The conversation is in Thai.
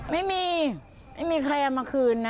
ไม่มีไม่มีใครเอามาคืนนะ